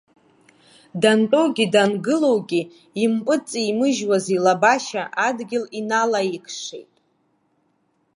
Дантәоугьы дангылоугьы импыҵимыжьуаз илабашьа адгьыл иналаиқшеит.